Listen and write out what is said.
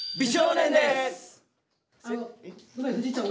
あのごめん藤井ちゃん